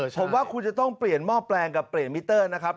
ผมว่าคุณจะต้องเปลี่ยนหม้อแปลงกับเปลี่ยนมิเตอร์นะครับ